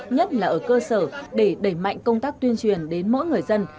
nhất là ở cơ sở để đẩy mạnh công tác tuyên truyền đến mỗi người dân